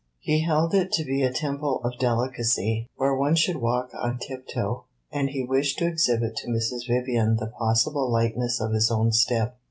He held it to be a temple of delicacy, where one should walk on tiptoe, and he wished to exhibit to Mrs. Vivian the possible lightness of his own step.